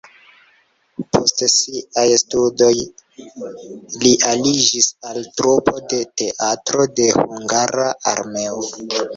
Post siaj studoj li aliĝis al trupo de Teatro de Hungara Armeo.